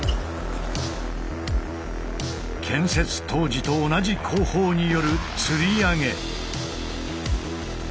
建設当時と同じ工法による吊り上げ。